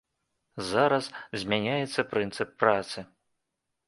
Зараз змяняецца прынцып працы.